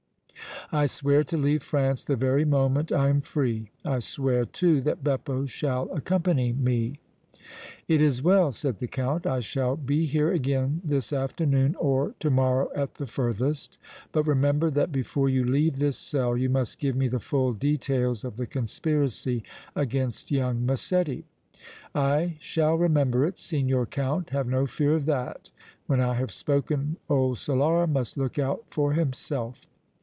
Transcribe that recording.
"I swear to leave France the very moment I am free! I swear, too, that Beppo shall accompany me!" "It is well," said the Count. "I shall be here again this afternoon or to morrow at the furthest; but remember that before you leave this cell you must give me the full details of the conspiracy against young Massetti!" "I shall remember it, Signor Count; have no fear of that! When I have spoken old Solara must look out for himself!"